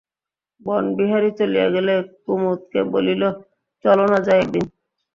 বনবিহারী চলিয়া গেলে কুমুদকে বলিল, চলো না যাই একদিন?